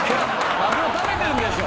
マグロ食べてるんでしょ。